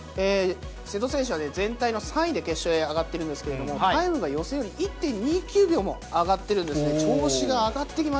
瀬戸選手は全体の３位で決勝へ上がってるんですけれども、タイムが予選より１．２９秒も上がっているんですね。